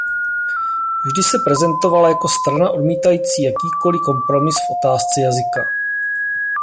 Vždy se prezentovala jako strana odmítající jakýkoli kompromis v otázce jazyka.